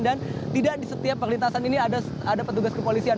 tidak di setiap perlintasan ini ada petugas kepolisian